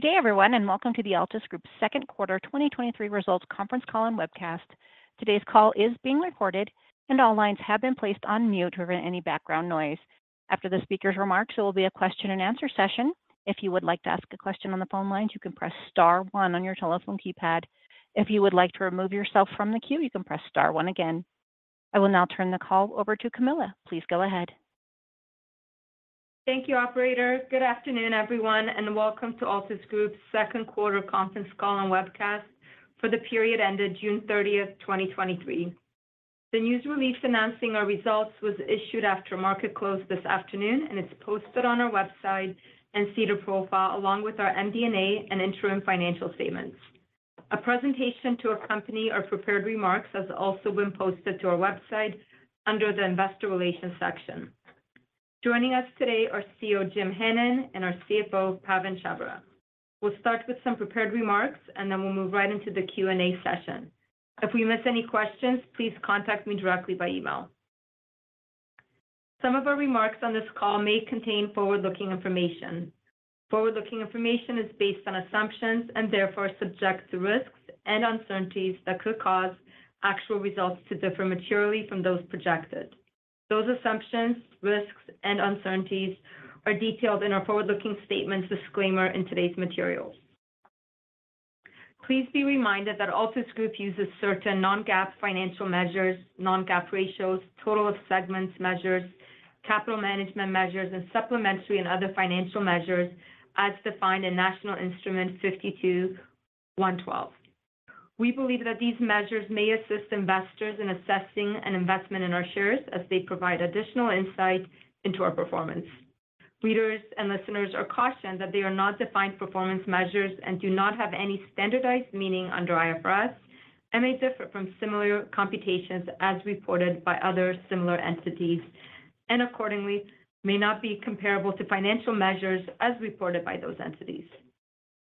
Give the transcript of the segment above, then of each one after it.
Good day, everyone, and welcome to the Altus Group second quarter 2023 results conference call and webcast. Today's call is being recorded, and all lines have been placed on mute to prevent any background noise. After the speaker's remarks, there will be a question and answer session. If you would like to ask a question on the phone lines, you can press star one on your telephone keypad. If you would like to remove yourself from the queue, you can press star one again. I will now turn the call over to Camilla. Please go ahead. Thank you, operator. Good afternoon, everyone, and welcome to Altus Group's second quarter conference call and webcast for the period ended June 30th, 2023. The news release announcing our results was issued after market close this afternoon, and it's posted on our website and SEDAR profile, along with our MD&A and interim financial statements. A presentation to accompany our prepared remarks has also been posted to our website under the Investor Relations section. Joining us today are CEO, Jim Hannon, and our CFO, Pawan Chhabra. We'll start with some prepared remarks, and then we'll move right into the Q&A session. If we miss any questions, please contact me directly by email. Some of our remarks on this call may contain forward-looking information. Forward-looking information is based on assumptions and therefore subject to risks and uncertainties that could cause actual results to differ materially from those projected. Those assumptions, risks, and uncertainties are detailed in our forward-looking statements disclaimer in today's materials. Please be reminded that Altus Group uses certain non-GAAP financial measures, non-GAAP ratios, total of segments measures, capital management measures, and supplementary and other financial measures as defined in National Instrument 52-112. We believe that these measures may assist investors in assessing an investment in our shares as they provide additional insight into our performance. Readers and listeners are cautioned that they are not defined performance measures and do not have any standardized meaning under IFRS, and may differ from similar computations as reported by other similar entities, and accordingly, may not be comparable to financial measures as reported by those entities.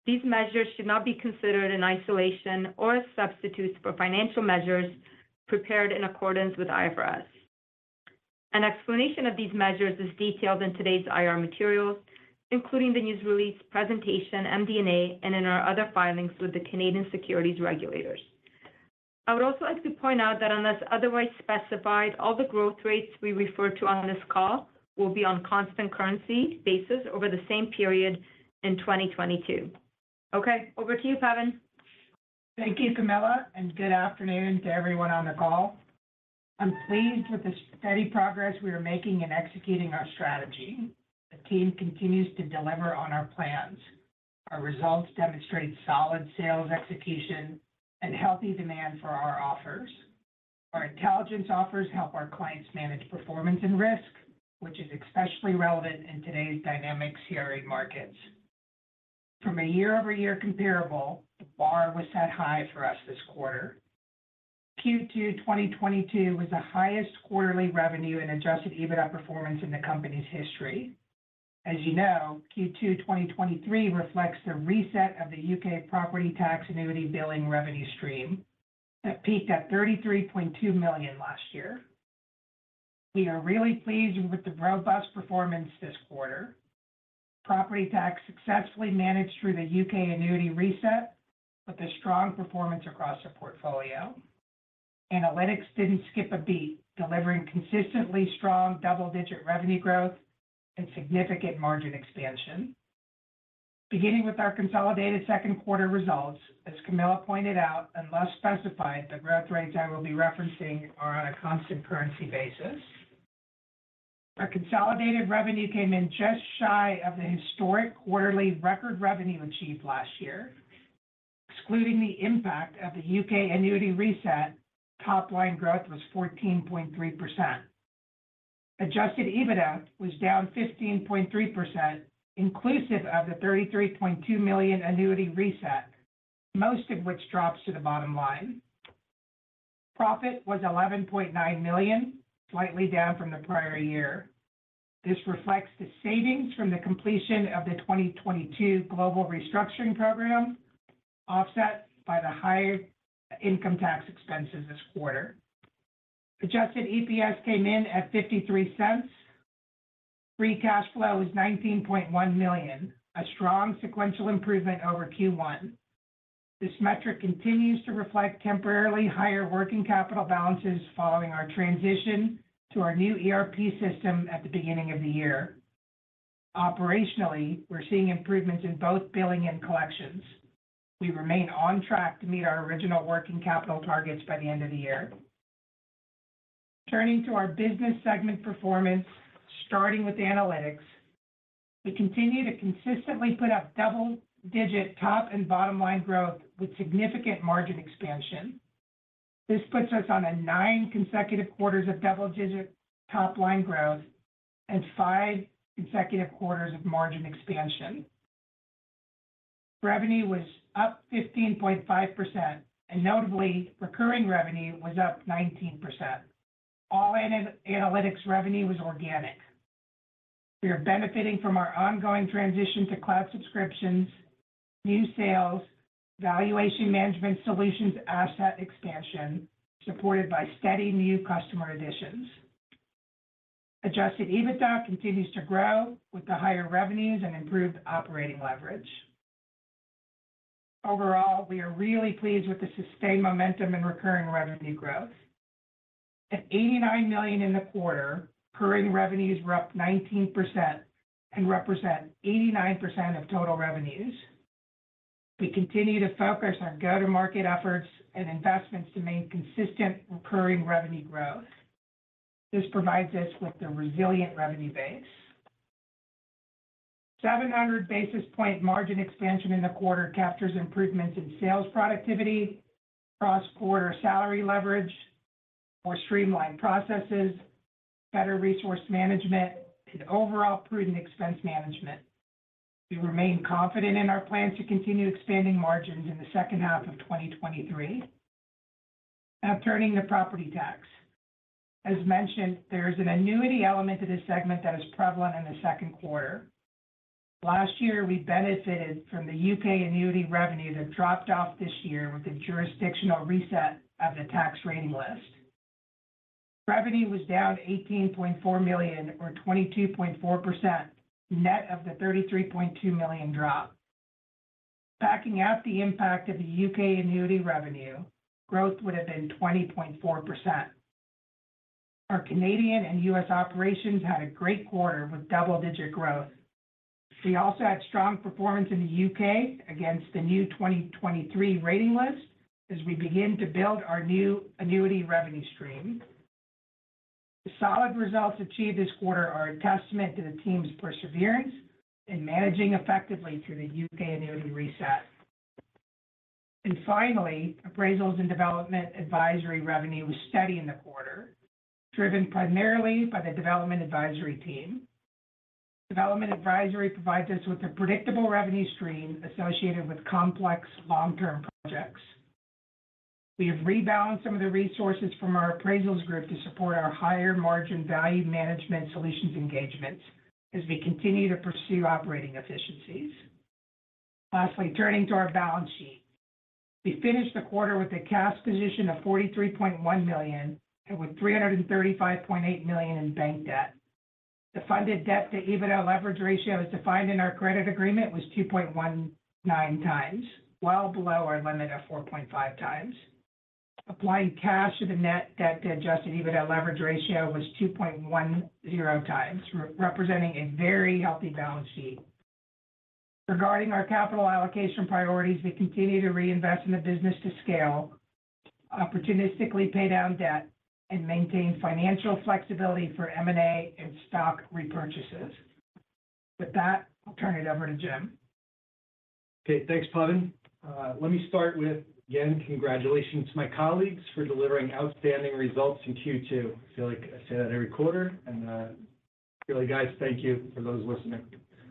These measures should not be considered in isolation or a substitute for financial measures prepared in accordance with IFRS. An explanation of these measures is detailed in today's IR materials, including the news release presentation, MD&A, and in our other filings with the Canadian securities regulators. I would also like to point out that unless otherwise specified, all the growth rates we refer to on this call will be on constant currency basis over the same period in 2022. Okay, over to you, Pawan. Thank you, Camilla, and good afternoon to everyone on the call. I'm pleased with the steady progress we are making in executing our strategy. The team continues to deliver on our plans. Our results demonstrate solid sales execution and healthy demand for our offers. Our intelligence offers help our clients manage performance and risk, which is especially relevant in today's dynamic CRE markets. From a year-over-year comparable, the bar was set high for us this quarter. Q2 2022 was the highest quarterly revenue and Adjusted EBITDA performance in the company's history. As you know, Q2 2023 reflects the reset of the U.K. property tax annuity billing revenue stream that peaked at 33.2 million last year. We are really pleased with the robust performance this quarter. Property tax successfully managed through the U.K. annuity reset with a strong performance across the portfolio. Analytics didn't skip a beat, delivering consistently strong double-digit revenue growth and significant margin expansion. Beginning with our consolidated second quarter results, as Camilla pointed out, unless specified, the growth rates I will be referencing are on a constant currency basis. Our consolidated revenue came in just shy of the historic quarterly record revenue achieved last year. Excluding the impact of the U.K. annuity reset, top line growth was 14.3%. Adjusted EBITDA was down 15.3%, inclusive of the 33.2 million annuity reset, most of which drops to the bottom line. Profit was 11.9 million, slightly down from the prior year. This reflects the savings from the completion of the 2022 global restructuring program, offset by the higher income tax expenses this quarter. Adjusted EPS came in at 0.53. Free cash flow is 19.1 million, a strong sequential improvement over Q1. This metric continues to reflect temporarily higher working capital balances following our transition to our new ERP system at the beginning of the year. Operationally, we're seeing improvements in both billing and collections. We remain on track to meet our original working capital targets by the end of the year. Turning to our business segment performance, starting with analytics, we continue to consistently put up double-digit top and bottom line growth with significant margin expansion. This puts us on a nine consecutive quarters of double-digit top line growth and five consecutive quarters of margin expansion. Revenue was up 15.5%. Notably, recurring revenue was up 19%. All analytics revenue was organic. We are benefiting from our ongoing transition to cloud subscriptions, new sales, Valuation Management Solutions, asset expansion, supported by steady new customer additions. Adjusted EBITDA continues to grow with the higher revenues and improved operating leverage. Overall, we are really pleased with the sustained momentum in recurring revenue growth. At 89 million in the quarter, recurring revenues were up 19% and represent 89% of total revenues. We continue to focus our go-to-market efforts and investments to maintain consistent recurring revenue growth. This provides us with a resilient revenue base. 700 basis point margin expansion in the quarter captures improvements in sales productivity, cross-quarter salary leverage, more streamlined processes, better resource management, and overall prudent expense management. We remain confident in our plans to continue expanding margins in the second half of 2023. Now turning to property tax. As mentioned, there is an annuity element to this segment that is prevalent in the second quarter. Last year, we benefited from the U.K. annuity revenues that dropped off this year with the jurisdictional reset of the tax rating list. Revenue was down 18.4 million, or 22.4%, net of the 33.2 million drop. Backing out the impact of the U.K. annuity revenue, growth would have been 20.4%. Our Canadian and U.S. operations had a great quarter with double-digit growth. We also had strong performance in the U.K. against the new 2023 rating list as we begin to build our new annuity revenue stream. The solid results achieved this quarter are a testament to the team's perseverance in managing effectively through the U.K. annuity reset. Finally, appraisals and development advisory revenue was steady in the quarter, driven primarily by the development advisory team. Development advisory provides us with a predictable revenue stream associated with complex long-term projects. We have rebalanced some of the resources from our appraisals group to support our higher margin Valuation Management Solutions engagements as we continue to pursue operating efficiencies. Lastly, turning to our balance sheet. We finished the quarter with a cash position of 43.1 million, and with 335.8 million in bank debt. The funded debt to EBITDA leverage ratio, as defined in our credit agreement, was 2.19 times, well below our limit of 4.5 times. Applying cash to the net debt to Adjusted EBITDA leverage ratio was 2.10 times, representing a very healthy balance sheet. Regarding our capital allocation priorities, we continue to reinvest in the business to scale, opportunistically pay down debt, and maintain financial flexibility for M&A and stock repurchases. With that, I'll turn it over to Jim. Okay, thanks, Pavan. Let me start with, again, congratulations to my colleagues for delivering outstanding results in Q2. I feel like I say that every quarter. Really, guys, thank you for those listening.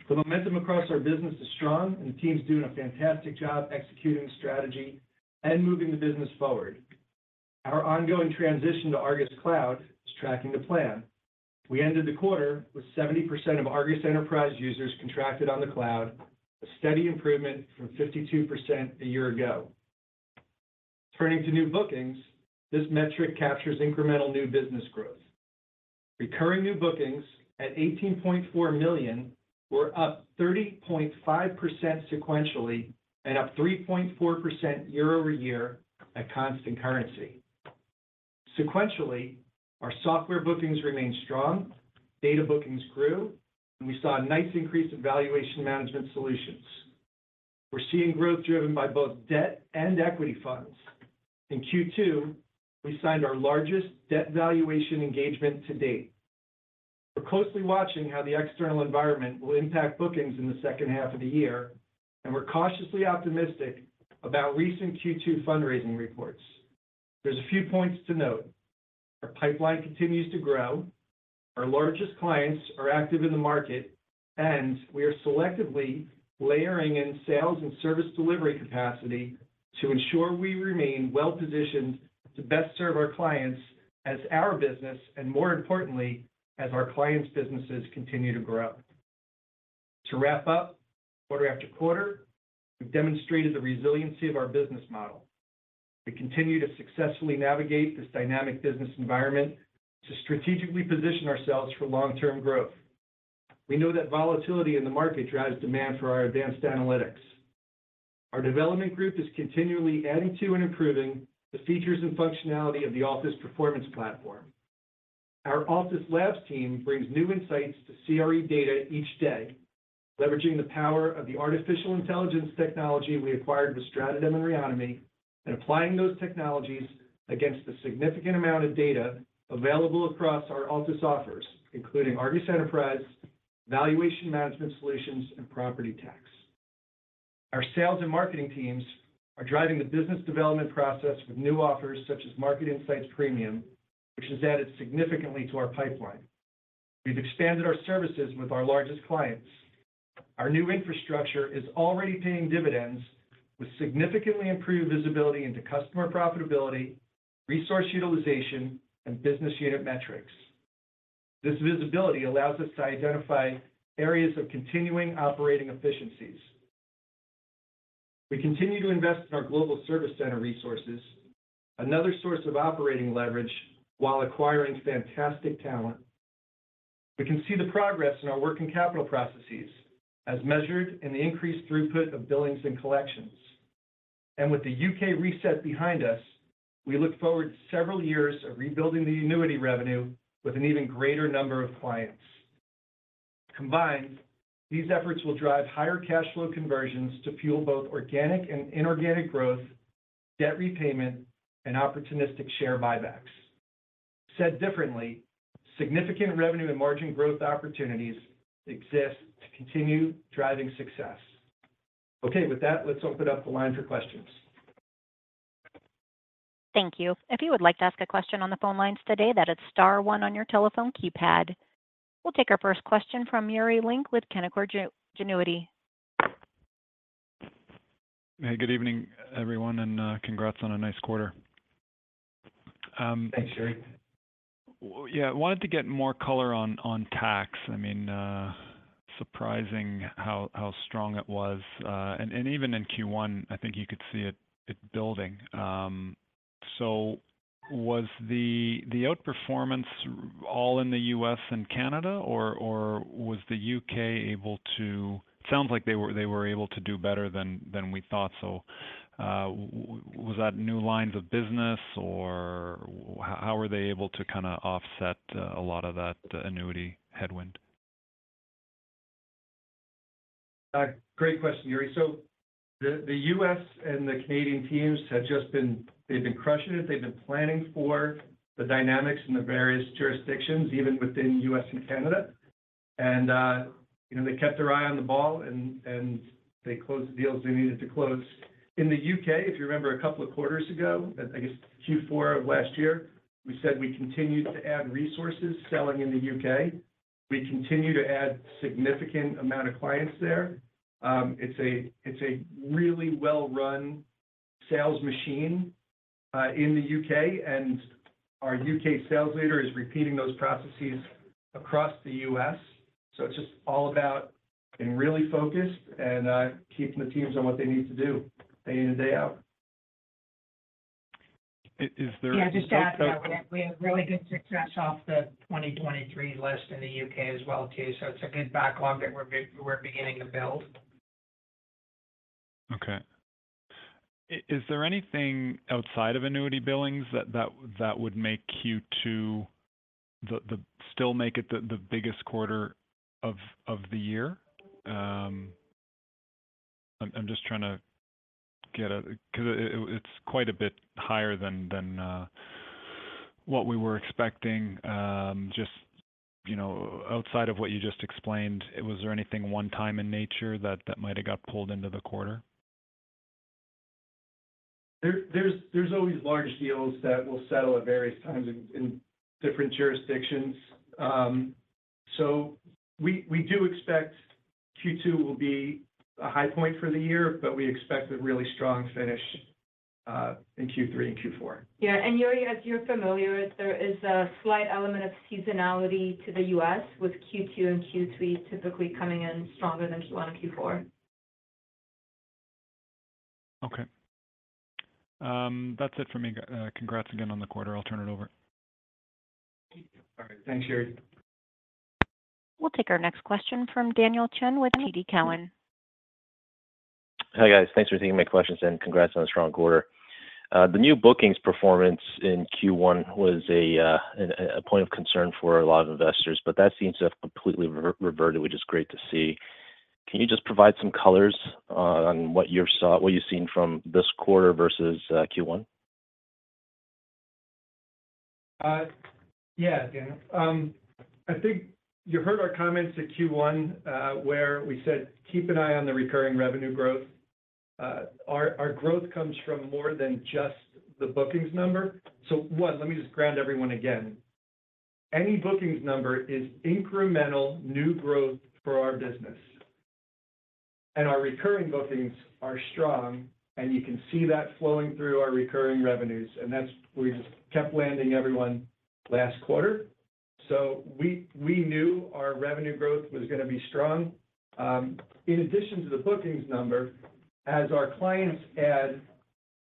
The momentum across our business is strong. The team's doing a fantastic job executing strategy and moving the business forward. Our ongoing transition to ARGUS Cloud is tracking to plan. We ended the quarter with 70% of ARGUS Enterprise users contracted on the cloud, a steady improvement from 52% a year ago. Turning to new bookings, this metric captures incremental new business growth. Recurring new bookings at 18.4 million were up 30.5% sequentially and up 3.4% year-over-year at constant currency. Sequentially, our software bookings remained strong, data bookings grew, and we saw a nice increase in Valuation Management Solutions. We're seeing growth driven by both debt and equity funds. In Q2, we signed our largest debt valuation engagement to date. We're closely watching how the external environment will impact bookings in the second half of the year, and we're cautiously optimistic about recent Q2 fundraising reports. There's a few points to note: our pipeline continues to grow, our largest clients are active in the market, and we are selectively layering in sales and service delivery capacity to ensure we remain well-positioned to best serve our clients as our business, and more importantly, as our clients' businesses continue to grow. To wrap up, quarter after quarter, we've demonstrated the resiliency of our business model. We continue to successfully navigate this dynamic business environment to strategically position ourselves for long-term growth. We know that volatility in the market drives demand for our advanced analytics. Our development group is continually adding to and improving the features and functionality of the Altus Performance Platform. Our Altus Labs team brings new insights to CRE data each day, leveraging the power of the artificial intelligence technology we acquired with StratoDem and Reonomy, and applying those technologies against the significant amount of data available across our Altus offers, including ARGUS Enterprise, Valuation Management Solutions, and Property Tax. Our sales and marketing teams are driving the business development process with new offers, such as Market Insights Premium, which has added significantly to our pipeline. We've expanded our services with our largest clients. Our new infrastructure is already paying dividends with significantly improved visibility into customer profitability, resource utilization, and business unit metrics. This visibility allows us to identify areas of continuing operating efficiencies.... We continue to invest in our Global Service Center resources, another source of operating leverage, while acquiring fantastic talent. We can see the progress in our working capital processes, as measured in the increased throughput of billings and collections. With the U.K. reset behind us, we look forward to several years of rebuilding the annuity revenue with an even greater number of clients. Combined, these efforts will drive higher cash flow conversions to fuel both organic and inorganic growth, debt repayment, and opportunistic share buybacks. Said differently, significant revenue and margin growth opportunities exist to continue driving success. Okay, with that, let's open up the line for questions. Thank you. If you would like to ask a question on the phone lines today, that is star one on your telephone keypad. We'll take our first question from Yuri Lynk with Canaccord Genuity. Hey, good evening, everyone, and, congrats on a nice quarter. Thanks, Yuri. Yeah, I wanted to get more color on, on tax. I mean, surprising how, how strong it was, and, and even in Q1, I think you could see it, it building. So was the outperformance all in the U.S. and Canada, or was the U.K. able to? Sounds like they were, they were able to do better than, than we thought. So, was that new lines of business, or how were they able to kinda offset a lot of that, the annuity headwind? Great question, Yuri. The U.S. and the Canadian teams have just been-- they've been crushing it. They've been planning for the dynamics in the various jurisdictions, even within U.S. and Canada. You know, they kept their eye on the ball, and, and they closed the deals they needed to close. In the U.K., if you remember, a couple of quarters ago, I, I guess Q4 of last year, we said we continued to add resources selling in the U.K. We continue to add significant amount of clients there. It's a, it's a really well-run sales machine in the U.K., and our U.K. sales leader is repeating those processes across the U.S. It's just all about being really focused and, keeping the teams on what they need to do, day in and day out. Is there Yeah, just to add to that, we, we had really good success off the 2023 list in the U.K. as well, too, so it's a good backlog that we're beginning to build. Okay. Is there anything outside of annuity billings that, that, that would make Q2 the, the still make it the, the biggest quarter of, of the year? I'm just trying to get 'cause it's quite a bit higher than what we were expecting. Just, you know, outside of what you just explained, was there anything one time in nature that, that might have got pulled into the quarter? There, there's, there's always large deals that will settle at various times in, in different jurisdictions. We, we do expect Q2 will be a high point for the year, but we expect a really strong finish in Q3 and Q4. Yeah, Yuri, as you're familiar with, there is a slight element of seasonality to the U.S., with Q2 and Q3 typically coming in stronger than Q1 and Q4. Okay. That's it for me. Congrats again on the quarter. I'll turn it over. All right. Thanks, Yuri. We'll take our next question from Daniel Chan with TD Cowen. Hi, guys. Thanks for taking my questions, and congrats on a strong quarter. The new bookings performance in Q1 was a point of concern for a lot of investors, but that seems to have completely reverted, which is great to see. Can you just provide some colors on what you've seen from this quarter versus Q1? Yeah, Daniel. I think you heard our comments at Q1, where we said, "Keep an eye on the recurring revenue growth." Our growth comes from more than just the bookings number. One, let me just ground everyone again. Any bookings number is incremental new growth for our business, and our recurring bookings are strong, and you can see that flowing through our recurring revenues, and that's we just kept landing everyone last quarter. We, we knew our revenue growth was gonna be strong. In addition to the bookings number, as our clients add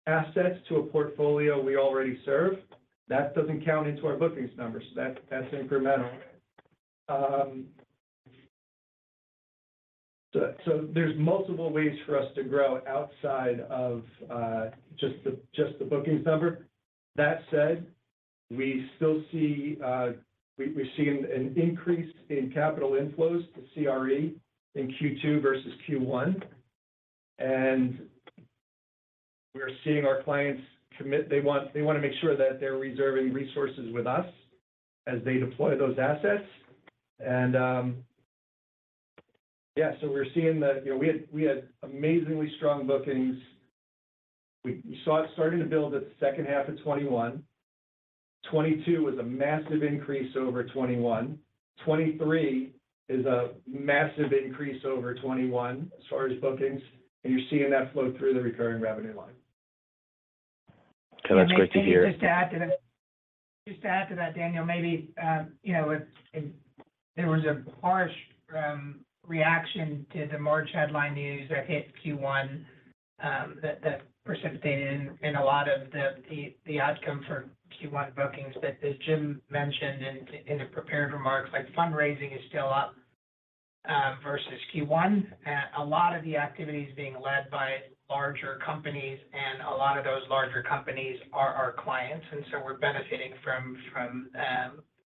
assets to a portfolio we already serve, that doesn't count into our bookings numbers. That's incremental. There's multiple ways for us to grow outside of just the, just the bookings number. That said, we still see, we, we've seen an increase in capital inflows to CRE in Q2 versus Q1. We're seeing our clients commit they want, they want to make sure that they're reserving resources with us as they deploy those assets. Yeah, we're seeing that, you know, we had, we had amazingly strong bookings. We, we saw it starting to build the second half of 2021. 2022 was a massive increase over 2021. 2023 is a massive increase over 2021, as far as bookings. You're seeing that flow through the recurring revenue line. Okay, that's great to hear. Just to add to that, just to add to that, Daniel, maybe, you know, if, if there was a harsh reaction to the March headline news that hit Q1, that, that precipitated in a lot of the, the, the outcome for Q1 bookings. As Jim mentioned in, in the prepared remarks, like, fundraising is still up versus Q1. A lot of the activities being led by larger companies, and a lot of those larger companies are our clients, and so we're benefiting from, from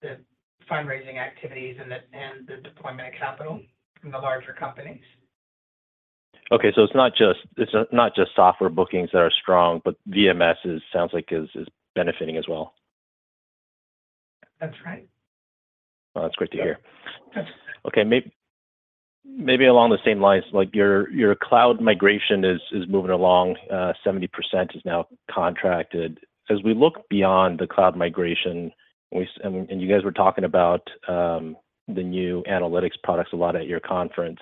the fundraising activities and the, and the deployment of capital from the larger companies. Okay, it's not just software bookings that are strong, but VMS is, sounds like is, is benefiting as well? That's right. Well, that's great to hear. Yes. Okay. Maybe along the same lines, like your, your cloud migration is, is moving along, 70% is now contracted. As we look beyond the cloud migration, we and you guys were talking about the new analytics products a lot at your conference,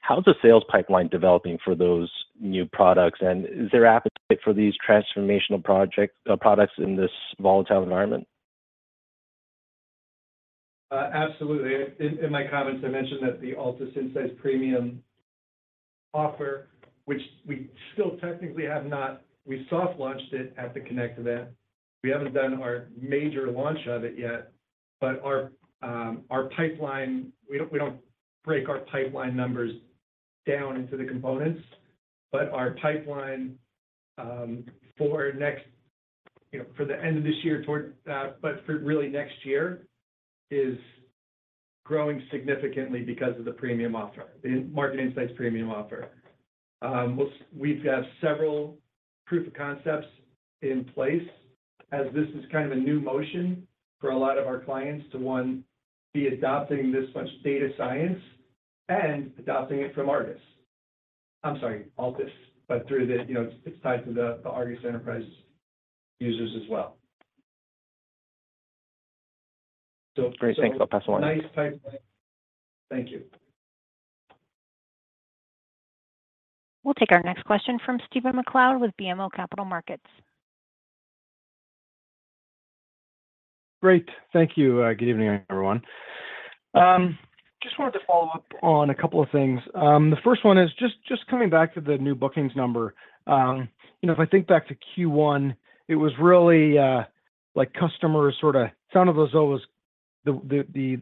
how's the sales pipeline developing for those new products? And is there appetite for these transformational projects, products in this volatile environment? Absolutely. In, in my comments, I mentioned that the Altus Market Insights Premium offer, which we still technically have not... We soft launched it at the Connect event. We haven't done our major launch of it yet, but our, our pipeline, we don't, we don't break our pipeline numbers down into the components, but our pipeline, for next, you know, for the end of this year toward, but for really next year, is growing significantly because of the premium offer, the Market Insights Premium offer. We'll- we've got several proof of concepts in place, as this is kind of a new motion for a lot of our clients to, 1, be adopting this much data science and adopting it from ARGUS. I'm sorry, Altus, but through the, you know, it's tied to the, the ARGUS Enterprise users as well. Great. Thanks. I'll pass along. Nice pipeline. Thank you. We'll take our next question from Stephen MacLeod with BMO Capital Markets. Great. Thank you. Good evening, everyone. Just wanted to follow up on a couple of things. The first one is just, just coming back to the new bookings number. You know, if I think back to Q1, it was really, the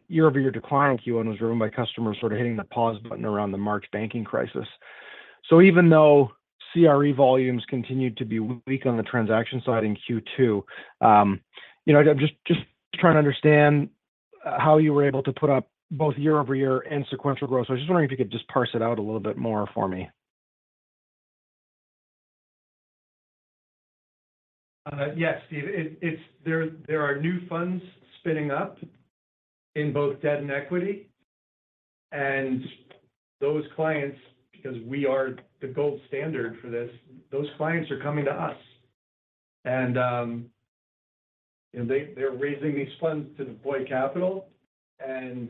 year-over-year decline in Q1 was driven by customers sorta hitting the pause button around the March banking crisis. Even though CRE volumes continued to be weak on the transaction side in Q2, you know, I'm just, just trying to understand how you were able to put up both year-over-year and sequential growth. I was just wondering if you could just parse it out a little bit more for me. Yes, Steve. It's there, there are new funds spinning up in both debt and equity, and those clients, because we are the gold standard for this, those clients are coming to us. They, they're raising these funds to deploy capital, and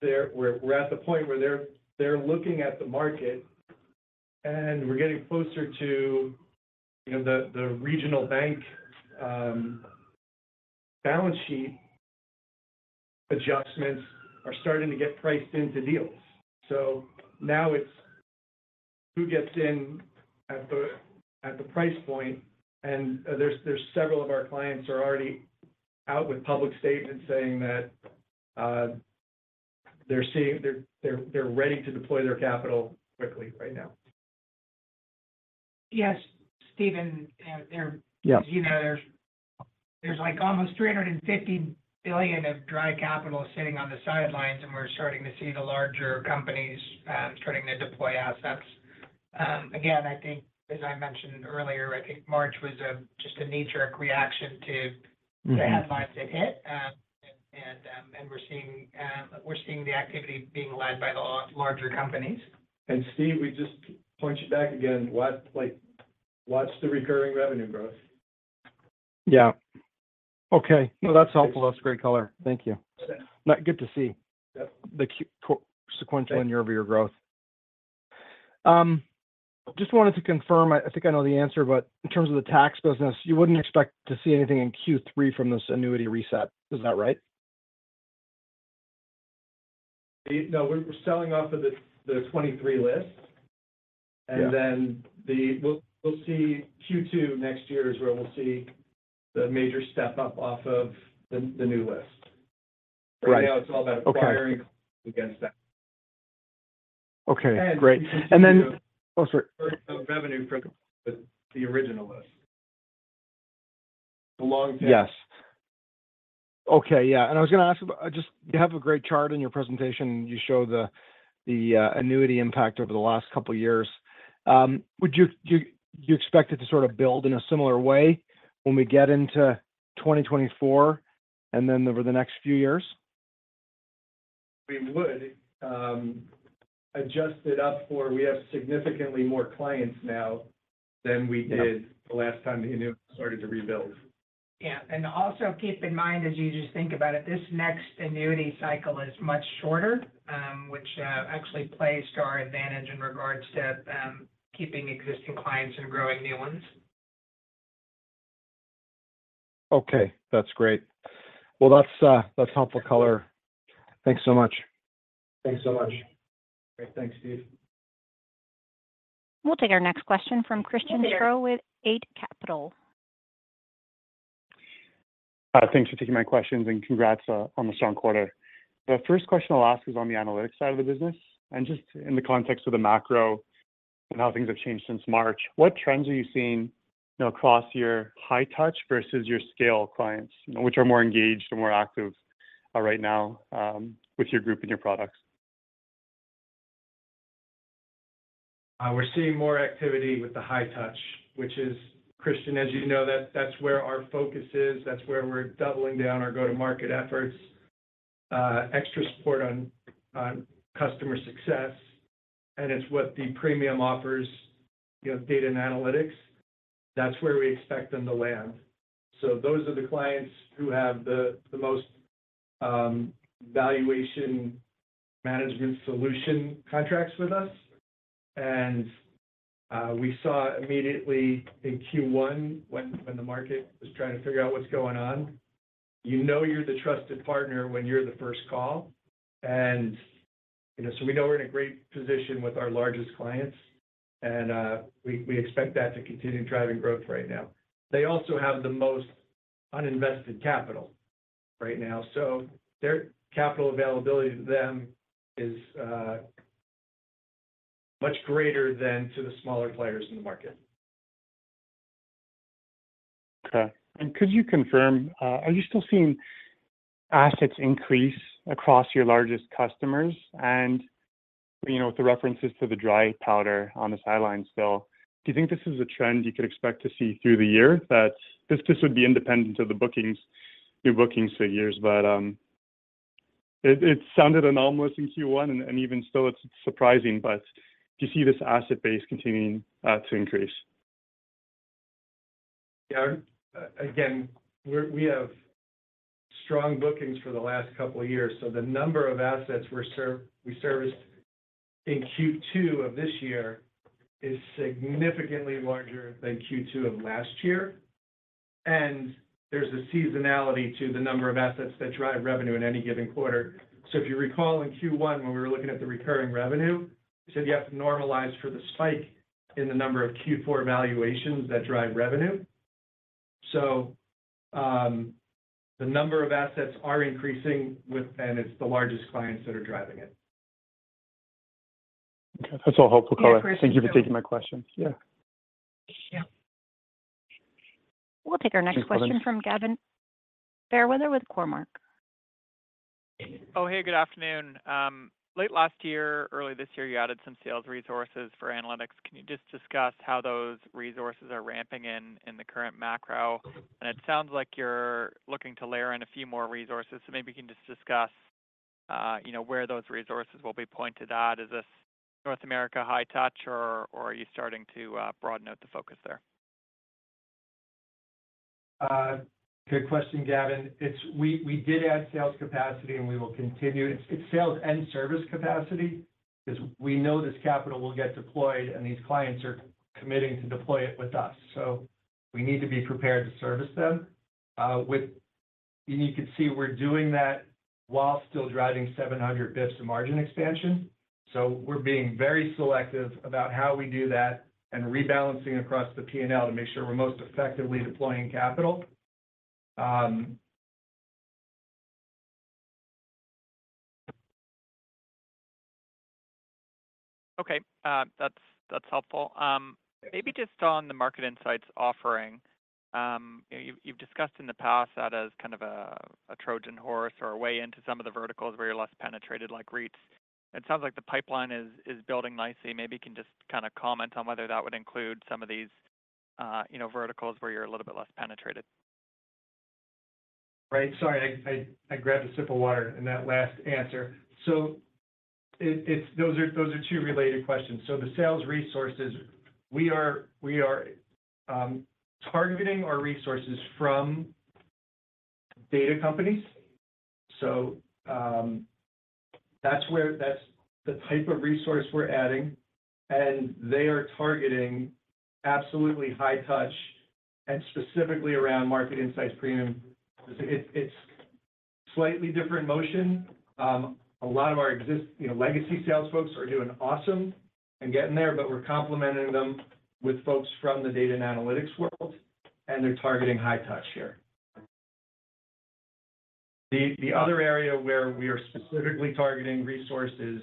they're we're, we're at the point where they're, they're looking at the market, and we're getting closer to, you know, the, the regional bank, balance sheet adjustments are starting to get priced into deals. Now it's who gets in at the, at the price point, and there's, there's several of our clients are already out with public statements saying that they're, they're, they're ready to deploy their capital quickly right now. Yes, Stephen, they're- Yeah. You know, there's, there's like almost 350 billion of dry capital sitting on the sidelines, and we're starting to see the larger companies starting to deploy assets. Again, I think as I mentioned earlier, I think March was a, just a knee-jerk reaction to- Mm-hmm... the headlines that hit, and, and, and we're seeing, we're seeing the activity being led by the larger companies. Steve, we just point you back again, watch, like, watch the recurring revenue growth. Yeah. Okay, well, that's helpful. That's great color. Thank you. Yeah. Now, good to see- Yep the Thank you.... sequential and year-over-year growth. Just wanted to confirm, I, I think I know the answer, but in terms of the tax business, you wouldn't expect to see anything in Q3 from this annuity reset. Is that right? No, we're, we're selling off of the, the 2023 list. Yeah. We'll see Q2 next year is where we'll see the major step up off of the new list. Right. Right now, it's all about- Okay acquiring against that. Okay, great. And- Then... Oh, sorry. Revenue from the original list. The long term. Yes. Okay, yeah, and I was gonna ask about-- just you have a great chart in your presentation, and you show the, the, annuity impact over the last couple of years. Would you, you, you expect it to sort of build in a similar way when we get into 2024, and then over the next few years? We would adjust it up, for we have significantly more clients now than we did- Yeah... the last time the annuity started to rebuild. Yeah, also keep in mind, as you just think about it, this next annuity cycle is much shorter, which, actually plays to our advantage in regards to, keeping existing clients and growing new ones. Okay, that's great. Well, that's, that's helpful color. Thanks so much. Thanks so much. Great. Thanks, Steve. We'll take our next question from Christian Thériault with Eight Capital. Thanks for taking my questions, and congrats on the strong quarter. The first question I'll ask is on the analytics side of the business, and just in the context of the macro and how things have changed since March, what trends are you seeing, you know, across your high touch versus your scale clients? Which are more engaged and more active right now with your group and your products? We're seeing more activity with the high touch, which is, Christian, as you know, that's where our focus is, that's where we're doubling down our go-to-market efforts. Extra support on customer success, it's what the premium offers, you know, data and analytics. That's where we expect them to land. Those are the clients who have the most Valuation Management Solutions contracts with us. We saw immediately in Q1, when the market was trying to figure out what's going on, you know you're the trusted partner when you're the first call. You know, we know we're in a great position with our largest clients, we expect that to continue driving growth right now. They also have the most uninvested capital right now, so their capital availability to them is much greater than to the smaller players in the market. Okay. Could you confirm, are you still seeing assets increase across your largest customers? You know, with the references to the dry powder on the sidelines still, do you think this is a trend you could expect to see through the year? This would be independent of the bookings, your bookings for years, but it sounded anomalous in Q1, and even still, it's surprising. Do you see this asset base continuing to increase? Yeah. Again, we have strong bookings for the last couple of years, so the number of assets we serviced in Q2 of this year is significantly larger than Q2 of last year. There's a seasonality to the number of assets that drive revenue in any given quarter. If you recall, in Q1, when we were looking at the recurring revenue, we said you have to normalize for the spike in the number of Q4 valuations that drive revenue. The number of assets are increasing and it's the largest clients that are driving it. Okay. That's all helpful, Colin. Yeah, Christian. Thank you for taking my questions. Yeah. Yeah. We'll take our next question- Thanks, Collins From Gavin Fairweather with Cormark. Oh, hey, good afternoon. Late last year, early this year, you added some sales resources for analytics. Can you just discuss how those resources are ramping in, in the current macro? It sounds like you're looking to layer in a few more resources, so maybe you can just discuss, you know, where those resources will be pointed at. Is this North America high touch, or are you starting to broaden out the focus there? Good question, Gavin. We, we did add sales capacity, and we will continue. It's, it's sales and service capacity, because we know this capital will get deployed, and these clients are committing to deploy it with us. We need to be prepared to service them. With... You can see we're doing that while still driving 700 bits of margin expansion. We're being very selective about how we do that and rebalancing across the P&L to make sure we're most effectively deploying capital. Okay, that's, that's helpful. Maybe just on the Market Insights offering, you, you've discussed in the past that as kind of a, a Trojan horse or a way into some of the verticals where you're less penetrated, like REITs. It sounds like the pipeline is, is building nicely. Maybe you can just kind of comment on whether that would include some of these, you know, verticals where you're a little bit less penetrated? Right. Sorry, I, I, I grabbed a sip of water in that last answer. It, it's-- those are, those are two related questions. The sales resources, we are, we are targeting our resources from data companies. That's where-- That's the type of resource we're adding, and they are targeting absolutely high touch, and specifically around Market Insights Premium. It's, it's slightly different motion. A lot of our exist, you know, legacy sales folks are doing awesome and getting there, but we're complementing them with folks from the data and analytics world, and they're targeting high touch here. The, the other area where we are specifically targeting resources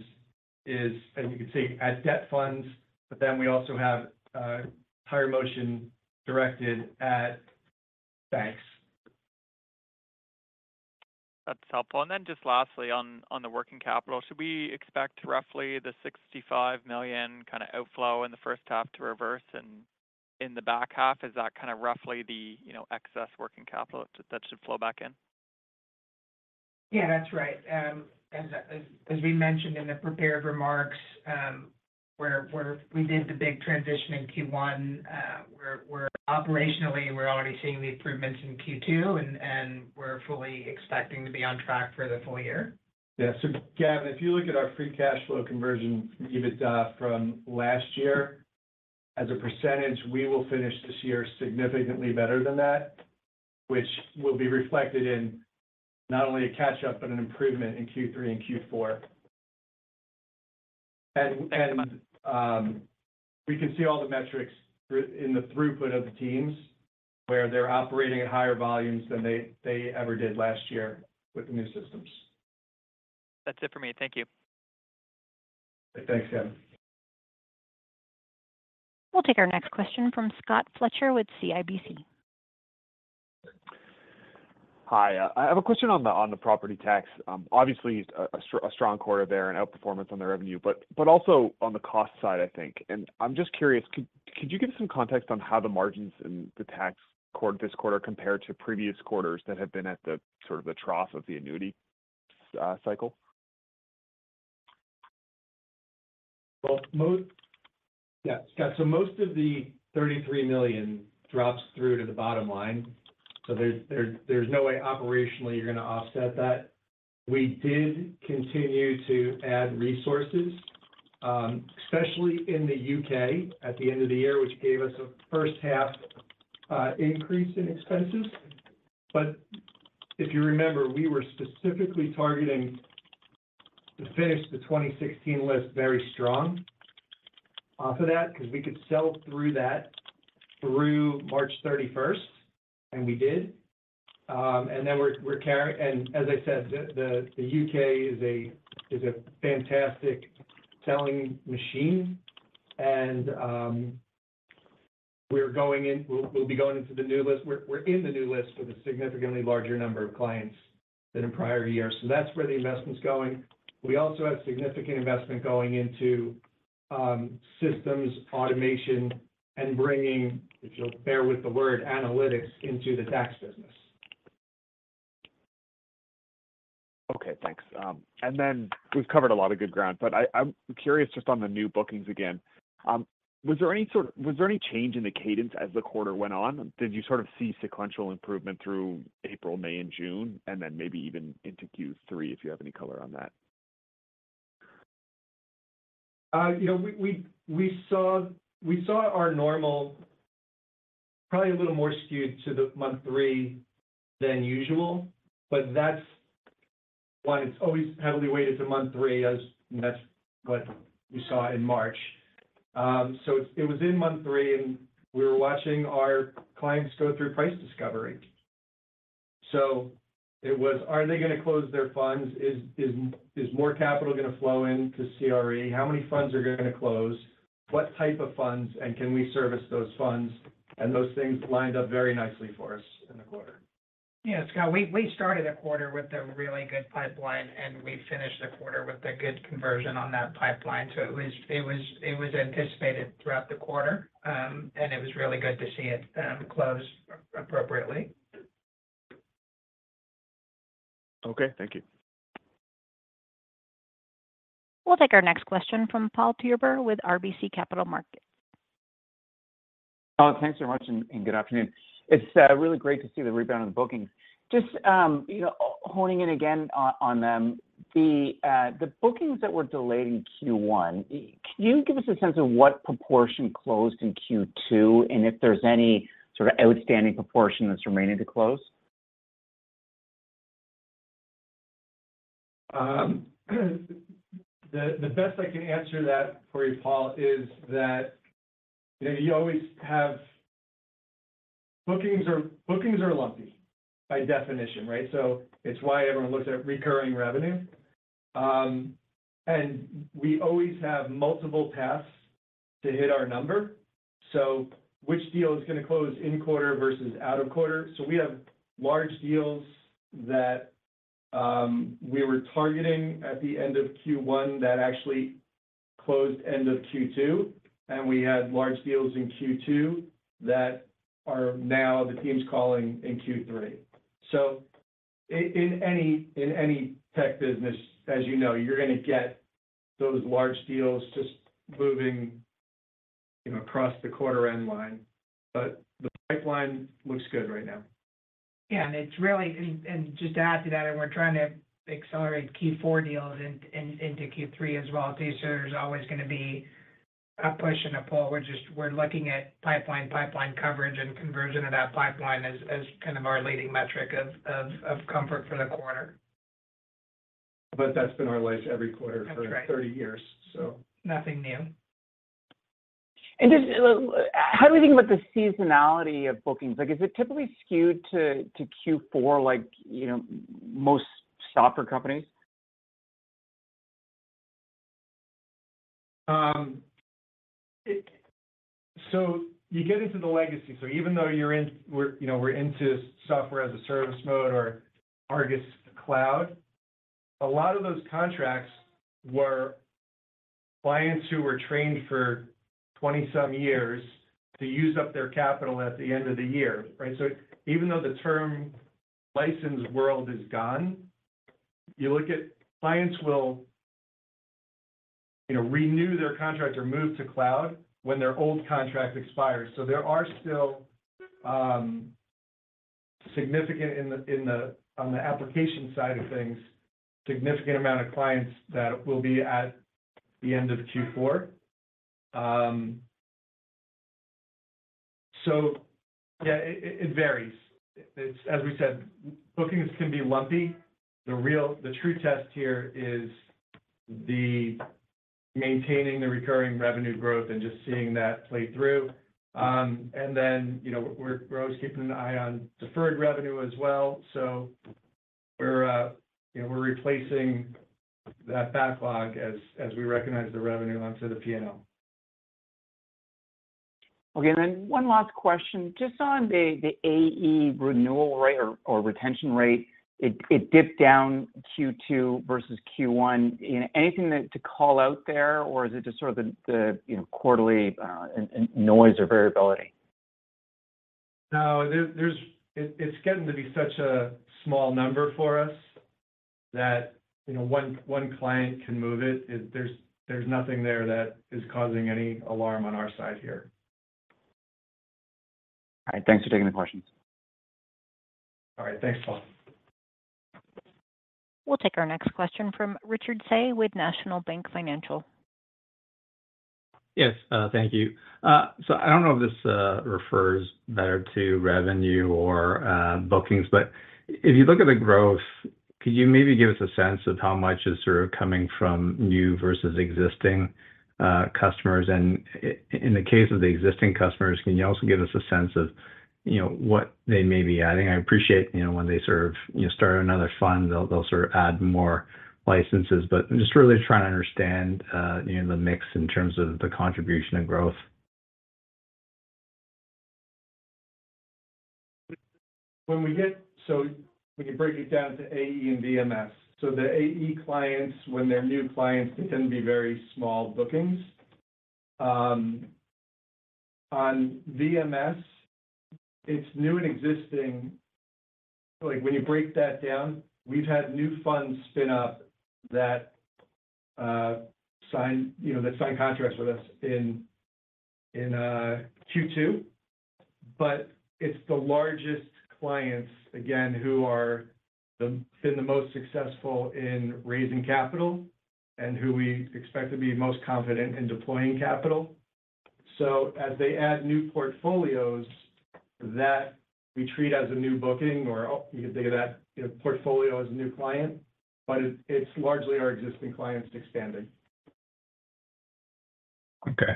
is, and you can see, at debt funds, but then we also have a higher motion directed at banks. That's helpful. Then just lastly, on, on the working capital, should we expect roughly the 65 million kind of outflow in the first half to reverse? In the back half, is that kind of roughly the, you know, excess working capital that should flow back in? Yeah, that's right. As, as, as we mentioned in the prepared remarks, where, where we did the big transition in Q1, we're, we're operationally, we're already seeing the improvements in Q2, and, and we're fully expecting to be on track for the full year. Yeah. Gavin, if you look at our free cash flow conversion, Adjusted EBITDA from last year, as a percentage, we will finish this year significantly better than that, which will be reflected in not only a catch-up, but an improvement in Q3 and Q4. We can see all the metrics in the throughput of the teams, where they're operating at higher volumes than they ever did last year with the new systems. That's it for me. Thank you. Thanks, Gavin. We'll take our next question from Scott Fletcher with CIBC. Hi, I have a question on the, on the property tax. Obviously, a strong quarter there, an outperformance on the revenue, but, but also on the cost side, I think. I'm just curious, could, could you give us some context on how the margins in the tax quarter, this quarter compared to previous quarters that have been at the sort of the trough of the annuity, cycle? Well, most... Yeah, Scott, so most of the 33 million drops through to the bottom line, so there's, there's, there's no way operationally you're gonna offset that. We did continue to add resources, especially in the U.K. at the end of the year, which gave us a first half increase in expenses. If you remember, we were specifically targeting to finish the 2016 list very strong off of that, because we could sell through that through March 31st, and we did. Then we're, we're carrying-- As I said, the, the, the U.K. is a, is a fantastic selling machine. We're going in- we'll, we'll be going into the new list. We're, we're in the new list with a significantly larger number of clients than in prior years. That's where the investment's going. We also have significant investment going into systems, automation, and bringing, if you'll bear with the word, analytics into the tax business. Okay, thanks. Then we've covered a lot of good ground, but I, I'm curious just on the new bookings again. Was there any change in the cadence as the quarter went on? Did you sort of see sequential improvement through April, May, and June, and then maybe even into Q3, if you have any color on that? you know, we, we, we saw, we saw our normal probably a little more skewed to the month 3 than usual, but that's why it's always heavily weighted to month 3, as that's what we saw in March. It, it was in month 3, and we were watching our clients go through price discovery. It was, Are they gonna close their funds? Is, is, is more capital gonna flow into CRE? How many funds are gonna close? What type of funds, and can we service those funds? Those things lined up very nicely for us in the quarter. Yeah, Scott, we, we started the quarter with a really good pipeline, and we finished the quarter with a good conversion on that pipeline. It was, it was, it was anticipated throughout the quarter, and it was really good to see it, close appropriately. Okay, thank you. We'll take our next question from Paul Treiber with RBC Capital Markets. Thanks so much, and, and good afternoon. It's really great to see the rebound in the bookings. Just, you know, honing in again on, on them, the bookings that were delayed in Q1, can you give us a sense of what proportion closed in Q2, and if there's any sort of outstanding proportion that's remaining to close? The, the best I can answer that for you, Paul Treiber, is that, you know, you always have... Bookings are, bookings are lumpy by definition, right? It's why everyone looks at recurring revenue. We always have multiple paths to hit our number. Which deal is gonna close in quarter versus out of quarter? We have large deals that we were targeting at the end of Q1 that actually closed end of Q2, and we had large deals in Q2 that are now the team's calling in Q3. In any, in any tech business, as you know, you're gonna get those large deals just moving, you know, across the quarter end line, but the pipeline looks good right now. Yeah, it's really just to add to that, we're trying to accelerate Q4 deals into Q3 as well. There's always gonna be a push and a pull. We're looking at pipeline, pipeline coverage and conversion of that pipeline as, as kind of our leading metric of, of, of comfort for the quarter. That's been our life every quarter. That's right. for 30 years, so. Nothing new. Just, how do we think about the seasonality of bookings? Like, is it typically skewed to Q4, like, you know, most software companies? So you get into the legacy. Even though you're in, we're, you know, we're into software as a service mode or ARGUS Cloud, a lot of those contracts were clients who were trained for 27 years to use up their capital at the end of the year, right? Even though the term license world is gone, you look at clients will, you know, renew their contract or move to cloud when their old contract expires. There are still significant in the, in the on the application side of things, significant amount of clients that will be at the end of Q4. Yeah, it, it, it varies. It's as we said, bookings can be lumpy. The real, the true test here is the maintaining the recurring revenue growth and just seeing that play through. You know, we're, we're always keeping an eye on deferred revenue as well. We're, you know, we're replacing that backlog as, as we recognize the revenue onto the P&L. Okay, one last question. Just on the AE renewal rate or retention rate, it dipped down Q2 versus Q1. Anything that to call out there, or is it just sort of the, you know, quarterly noise or variability? No, there it's getting to be such a small number for us that, you know, one, one client can move it. There's nothing there that is causing any alarm on our side here. All right. Thanks for taking the questions. All right. Thanks, Paul. We'll take our next question from Richard Tse with National Bank Financial. Yes, thank you. I don't know if this refers better to revenue or bookings, but if you look at the growth, could you maybe give us a sense of how much is sort of coming from new versus existing customers? And i- in the case of the existing customers, can you also give us a sense of, you know, what they may be adding? I appreciate, you know, when they sort of, you know, start another fund, they'll, they'll sort of add more licenses. I'm just really trying to understand, you know, the mix in terms of the contribution and growth. When we get. When you break it down to AE and VMS. The AE clients, when they're new clients, they can be very small bookings. On VMS, it's new and existing. When you break that down, we've had new funds spin up that sign, you know, that sign contracts with us in in Q2. It's the largest clients, again, who are been the most successful in raising capital, and who we expect to be most confident in deploying capital. As they add new portfolios, that we treat as a new booking, or you could think of that, you know, portfolio as a new client, but it's, it's largely our existing clients expanding. Okay.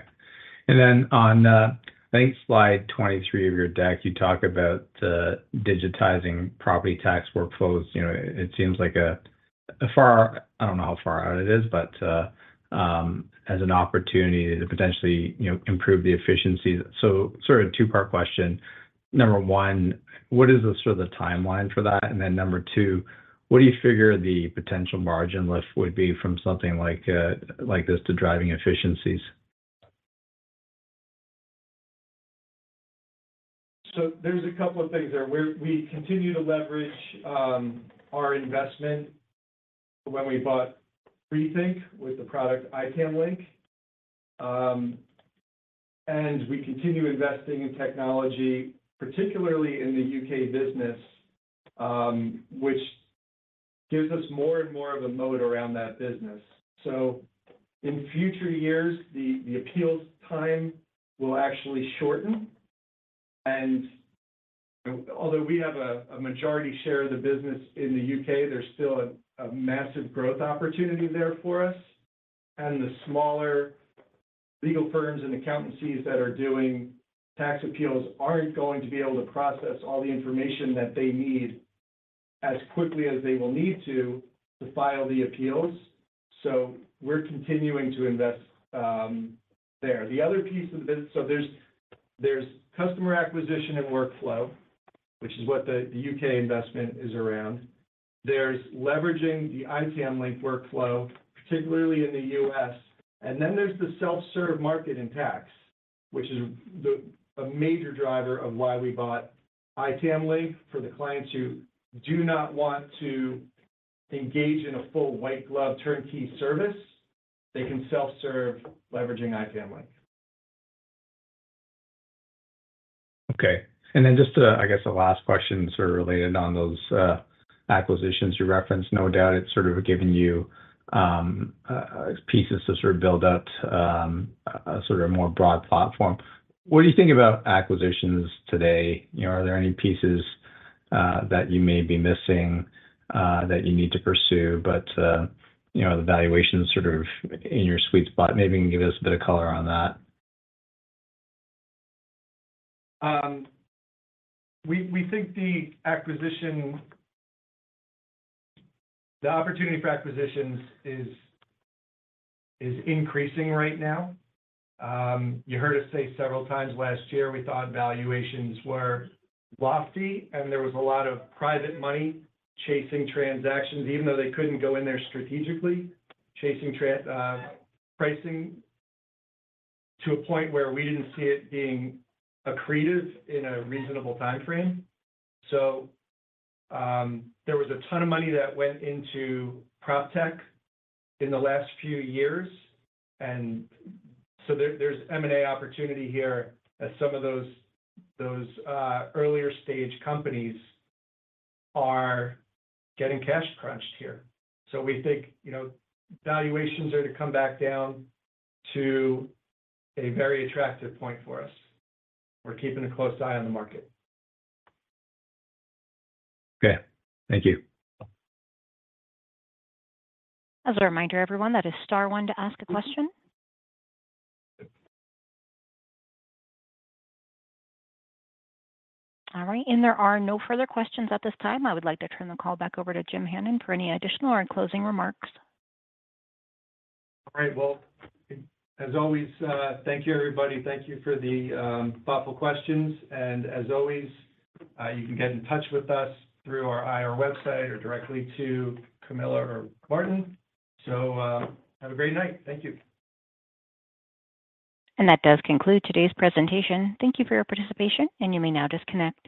On, I think slide 23 of your deck, you talk about, digitizing property tax workflows. You know, it seems like a, a far... I don't know how far out it is, but, as an opportunity to potentially, you know, improve the efficiency. Sort of a 2-part question. Number 1, what is the sort of the timeline for that? Number 2, what do you figure the potential margin lift would be from something like, like this to driving efficiencies? There's a couple of things there. We continue to leverage our investment when we bought Rethink with the product ITAMlink. We continue investing in technology, particularly in the U.K. business, which gives us more and more of a moat around that business. In future years, the appeals time will actually shorten. Although we have a majority share of the business in the U.K., there's still a massive growth opportunity there for us. The smaller legal firms and accountancies that are doing tax appeals aren't going to be able to process all the information that they need as quickly as they will need to, to file the appeals. We're continuing to invest there. The other piece of the. There's customer acquisition and workflow, which is what the U.K. investment is around. There's leveraging the ITAMlink workflow, particularly in the U.S., and then there's the self-serve market in tax, which is a major driver of why we bought ITAMlink. For the clients who do not want to engage in a full white glove turnkey service, they can self-serve leveraging ITAMlink. Okay. Just, I guess the last question sort of related on those acquisitions you referenced. No doubt it's sort of given you pieces to sort of build out a sort of a more broad platform. What do you think about acquisitions today? You know, are there any pieces that you may be missing that you need to pursue, but, you know, the valuation is sort of in your sweet spot? Maybe you can give us a bit of color on that. We, we think the opportunity for acquisitions is, is increasing right now. You heard us say several times last year, we thought valuations were lofty, and there was a lot of private money chasing transactions, even though they couldn't go in there strategically, chasing pricing to a point where we didn't see it being accretive in a reasonable time frame. There was a ton of money that went into proptech in the last few years, and so there, there's M&A opportunity here as some of those, those, earlier stage companies are getting cash crunched here. We think, you know, valuations are to come back down to a very attractive point for us. We're keeping a close eye on the market. Okay, thank you. As a reminder, everyone, that is star one to ask a question. All right. There are no further questions at this time. I would like to turn the call back over to Jim Hannon for any additional or closing remarks. All right. Well, as always, thank you, everybody. Thank You for the thoughtful questions. As always, you can get in touch with us through our IR website or directly to Camilla or Martin. Have a great night. Thank you. That does conclude today's presentation. Thank you for your participation, and you may now disconnect.